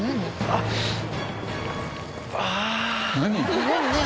ああ。